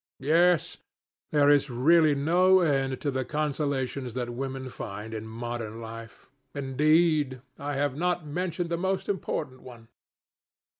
Yes; there is really no end to the consolations that women find in modern life. Indeed, I have not mentioned the most important one."